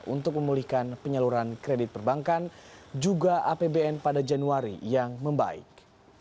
untuk memulihkan penyaluran kredit perbankan juga apbn pada januari yang membaik